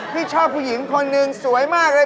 พี่ชอบผู้หญิงคนหนึ่งสวยมากเลย